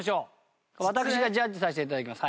私がジャッジさせて頂きます。